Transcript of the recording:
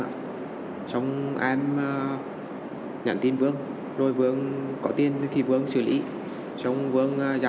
trồng tr misinformation được công lý mã hút vô cơ là gì